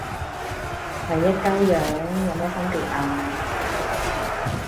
咪一鳩樣，有咩分別呀